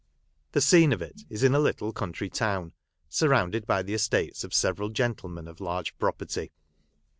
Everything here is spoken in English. The scene of it is in a little country town, surrounded by the estates of several gentlemen of large property.